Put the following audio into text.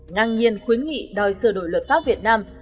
ngang nhiên khuyến nghị đòi sửa đổi luật pháp việt nam